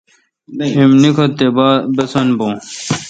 ایم نیکتھ تے باسن بھو۔